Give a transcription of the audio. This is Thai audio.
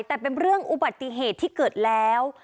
แต่เป็นเรื่องอุบัติเหตุที่เกิดแล้ว